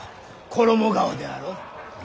衣川であろう。